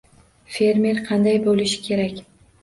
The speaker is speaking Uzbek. Fermer qanday bo‘lishi kerak?